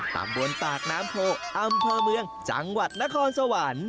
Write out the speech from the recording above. ตามวนตากน้ำโผล่อมพอเมืองจังหวัดนครสวรรค์